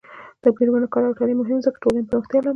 د میرمنو کار او تعلیم مهم دی ځکه چې ټولنې پراختیا لامل دی.